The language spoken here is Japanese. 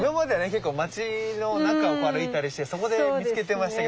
結構街の中を歩いたりしてそこで見つけてましたけど。